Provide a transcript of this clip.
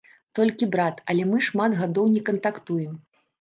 Толькі брат, але мы шмат гадоў не кантактуем.